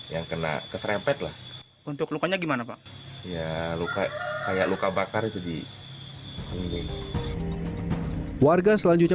yang kena keserempet lah untuk lukanya gimana pak ya luka kayak luka bakar itu di warga selanjutnya